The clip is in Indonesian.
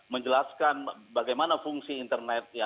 menjelaskan bagaimana fungsi internet